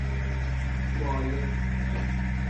بایست